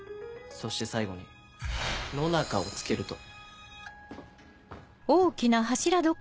そして最後に「野中」を付けると。